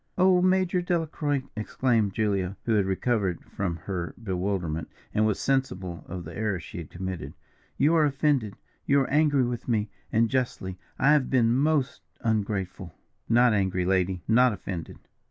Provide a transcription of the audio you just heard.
"Oh, Major Delacroix!" exclaimed Julia, who had recovered from her bewilderment, and was sensible of the error she had committed, "you are offended, you are angry with me, and justly I have been most ungrateful." "Not angry, lady not offended.